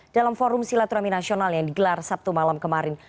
dalam forum silaturahmi nasional yang digelar sabtu malam kemarin